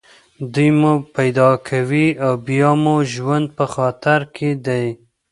دوی مو پیدا کوي او بیا مو ژوند په خطر کې دی